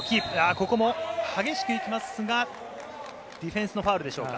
ここも激しく行きますが、ディフェンスのファウルでしょうか。